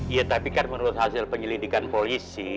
ya tapi kan menurut hasil penyelidikan polisi